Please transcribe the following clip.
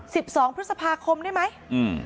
สิบสองพฤษภาคมได้ไหมอืม